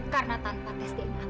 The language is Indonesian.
karena tanpa tes dna